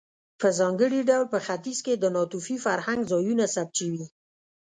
په ځانګړي ډول په ختیځ کې د ناتوفي فرهنګ ځایونه ثبت شوي.